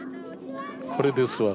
これですわ。